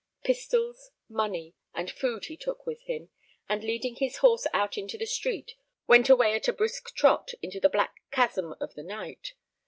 Pistols, money, and food he took with him, and leading his horse out into the street, went away at a brisk trot into the black chasm of the night.